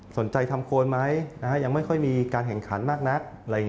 ทำโคนไหมยังไม่ค่อยมีการแข่งขันมากนัก